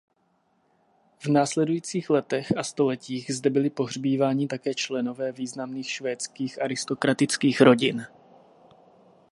V následujících letech a stoletích zde byli pohřbíváni také členové významných švédských aristokratických rodin.